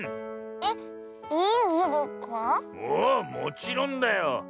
おおもちろんだよ。